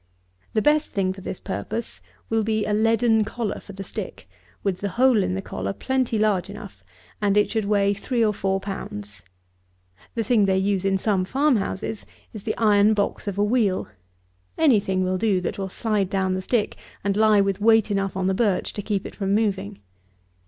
The best thing for this purpose will be a leaden collar for the stick, with the hole in the collar plenty large enough, and it should weigh three or four pounds. The thing they use in some farm houses is the iron box of a wheel. Any thing will do that will slide down the stick, and lie with weight enough on the birch to keep it from moving.